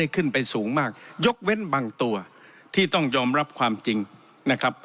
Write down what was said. ขึ้นไปสูงมากยกเว้นบางตัวที่ต้องยอมรับความจริงนะครับ